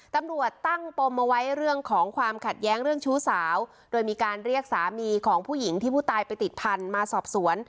ตำรวจตั้งปมเอาไว้เรื่องของความขัดแย้งเรื่องชู้สาวโดยมีการเรียกสามีของผู้หญิงที่ผู้ตายไปติดพันธุ์มาสอบสวน